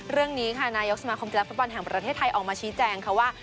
เรื่องนี้ค่ะนายกสมาคมกีฬาฟุตบอลแห่งประเทศไทยออกมาชี้แจงค่ะว่า